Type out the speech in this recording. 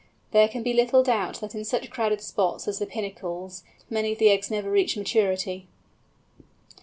There can be little doubt that in such crowded spots as the "Pinnacles," many of the eggs never reach maturity.